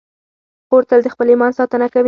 خور تل د خپل ایمان ساتنه کوي.